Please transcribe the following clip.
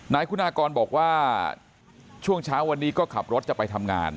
นายคุณากรบอกว่าช่วงเช้าวันนี้ก็ขับรถจะไปทำงาน